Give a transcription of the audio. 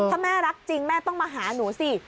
ถ้าแม่รักจริงแม่ต้องมาหาหนูสิ